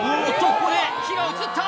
ここで火が移った！